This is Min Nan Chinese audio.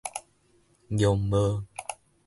絨帽